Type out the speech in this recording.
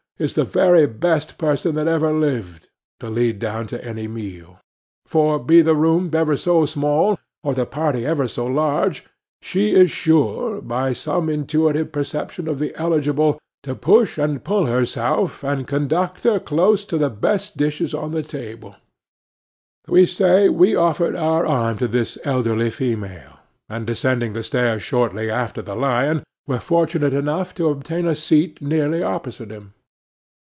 —is the very best person that ever lived, to lead down to any meal; for, be the room ever so small, or the party ever so large, she is sure, by some intuitive perception of the eligible, to push and pull herself and conductor close to the best dishes on the table;—we say we offered our arm to this elderly female, and, descending the stairs shortly after the lion, were fortunate enough to obtain a seat nearly opposite him.